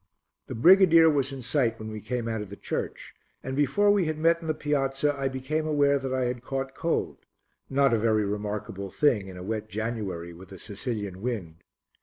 The brigadier was in sight when we came out of the church and before we had met in the piazza I became aware that I had caught cold not a very remarkable thing in a wet January with a Sicilian wind.